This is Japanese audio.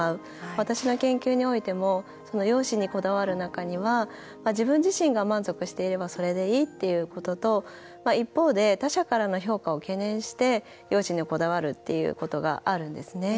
私の研究においても容姿にこだわる中には自分自身が満足していればそれでいいっていうことと一方で他者からの評価を懸念して容姿にこだわるっていうことがあるんですね。